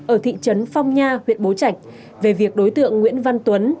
ở thị trấn phong nha huyện bố trạch về việc đối tượng nguyễn văn tuấn